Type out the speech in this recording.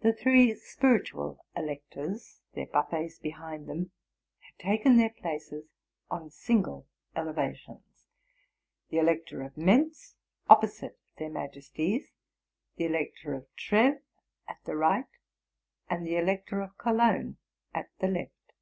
The three spiritual electors, their buffets behind them, had taken their places on single elevations ; the Elector of Mentz opposite their majesties, the Elector of Treves at the right, and the Elector of Cologne at the left.